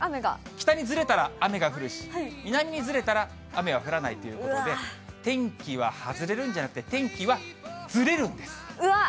北にずれたら雨が降るし、南にずれたら雨は降らないということで、天気は外れるんじゃなくて、うわっ。